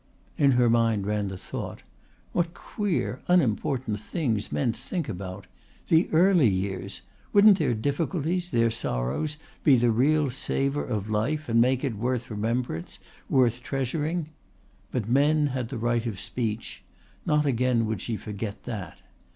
In her mind ran the thought: what queer unimportant things men think about! The early years! Wouldn't their difficulties, their sorrows be the real savour of life and make it worth remembrance, worth treasuring? But men had the right of speech. Not again would she forget that.